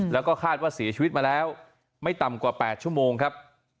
แล้วก็คาดว่าเสียชีวิตมาแล้วไม่ต่ำกว่า๘ชั่วโมงครับ